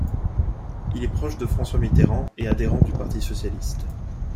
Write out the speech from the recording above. Il est proche de François Mitterrand et adhérent du Parti socialiste.